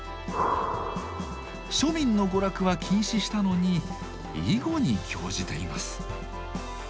庶民の娯楽は禁止したのに囲碁に興じています。